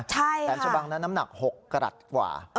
แหลมชะบังนั้นน้ำหนัก๖กรัตกว่า